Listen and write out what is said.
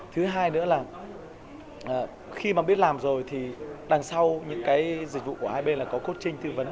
thứ hai nữa là khi mà biết làm rồi thì đằng sau những cái dịch vụ của ai bên là có coaching tư vấn